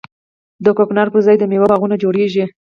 د کوکنارو پر ځای د میوو باغونه جوړیږي.